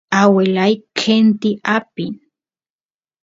aguelay qenti apin